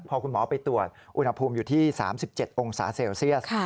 พอคุณหมอไปตรวจอุณหภูมิอยู่ที่๓๗องศาเซลเซียส